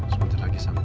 kita bawa perusahaan